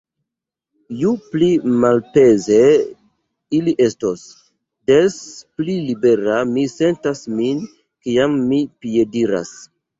Ju pli malpeze ili estos, des pli libera mi sentas min, kiam mi piediras.